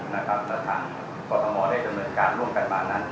และทางกรทมได้ดำเนินการร่วมกันมานั้น